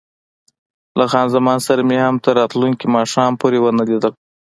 له خان زمان سره مې هم تر راتلونکي ماښام پورې ونه لیدل.